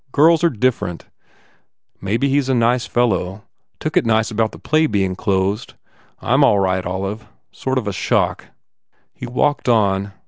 Girls are different. Maybe he s a nice fellow. Took it nice about the play being closed. I m all right, Olive. Sort of a shock." He walked on.